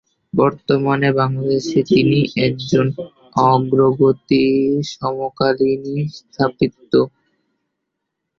বর্তমান বাংলাদেশে তিনি একজন অগ্রগণ্য সমকালীন স্থপতি।